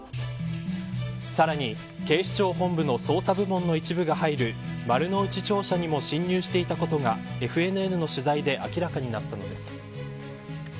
さらに、警視庁本部の捜査部門の一部が入る丸の内庁舎にも侵入していたことがＦＮＮの取材で明らかになったのです。